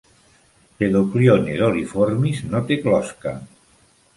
"Paedoclione doliiformis" no té closca.